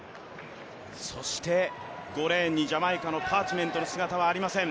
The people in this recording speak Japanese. そして５レーンにジャマイカのパーチメント選手の姿はありません。